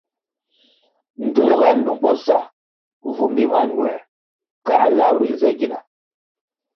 Ndtoh ga numbo sa vumbi mañuer kăh lap ri nze gina.